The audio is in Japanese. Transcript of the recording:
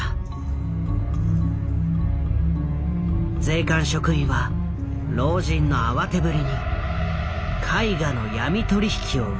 税関職員は老人の慌てぶりに絵画の闇取引を疑った。